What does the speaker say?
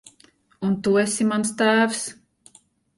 Un tu esi mans tēvs.